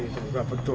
itu tidak betul